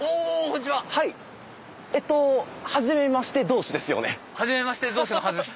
えっとはじめまして同士ですよね？